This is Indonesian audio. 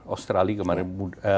australia kemarin muda